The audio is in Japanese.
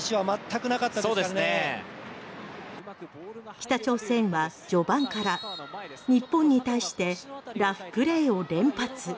北朝鮮は序盤から日本に対してラフプレーを連発。